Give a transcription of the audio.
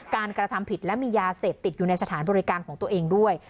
กระทำผิดและมียาเสพติดอยู่ในสถานบริการของตัวเองด้วย